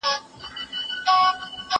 که وخت وي، درسونه اورم؟!